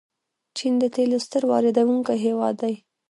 چین د تیلو ستر واردونکی هیواد دی.